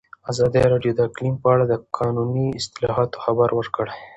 ازادي راډیو د اقلیم په اړه د قانوني اصلاحاتو خبر ورکړی.